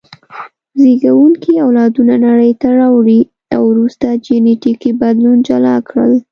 زېږوونکي اولادونه نړۍ ته راوړي او وروسته جینټیکي بدلون جلا کړل.